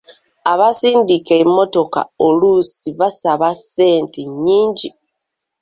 Abasindika emmotoka oluusi basaba ssente nnyingi.